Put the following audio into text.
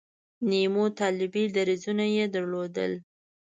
نیمو طالبي دریځونه یې درلودل.